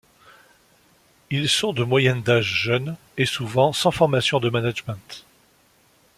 Ils sont de moyenne d'âge jeune et souvent sans formation de management.